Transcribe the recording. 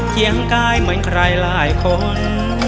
เกียงกายเหมือนใครหลายคน